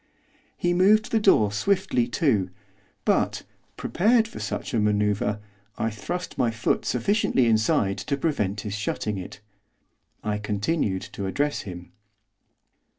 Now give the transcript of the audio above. He moved the door swiftly to; but, prepared for such a manoeuvre, I thrust my foot sufficiently inside to prevent his shutting it. I continued to address him.